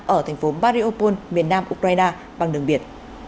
ở thành phố bariopol miền nam ukraine bằng đường biển